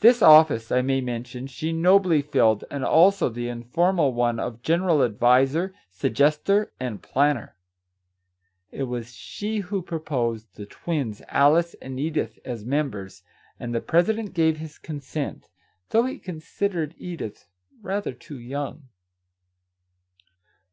This office, I may mention, she nobly filled, and also the informal one of general adviser, sug gester, and planner. It was she who proposed the twins, Alice and Edith, as members, and the president gave his consent, though he considered Edith rather too young